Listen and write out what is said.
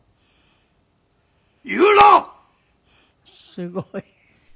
すごい。